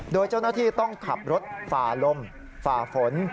โดยเจ้าหน้าที่ต้องขับรถฝ่าลมฝ่าฝน